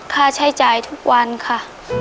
ค่าใช้จ่ายทุกวันค่ะ